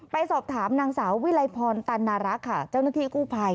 ไปสอบถามนางสาววิลัยพรตันนารักษ์ค่ะเจ้าหน้าที่กู้ภัย